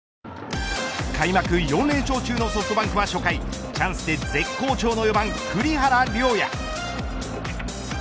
開幕４連勝中のソフトバンクは初回チャンスで絶好調の４番栗原陵矢。